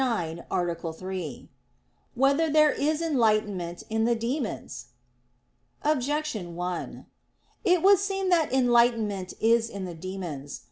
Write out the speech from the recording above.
109, Art. 3] Whether There Is Enlightenment in the Demons? Objection 1: It would seem that enlightenment is in the demons.